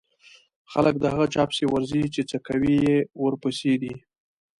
خلک د هغه چا پسې ورځي چې څکوی يې ورپسې دی.